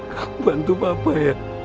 kamu bantu papa ya